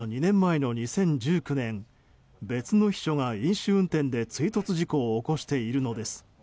実は２年前の２０１９年別の秘書が飲酒運転で追突事故を起こしているのです。